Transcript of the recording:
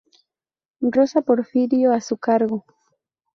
Rosa Porfirio a su cargo.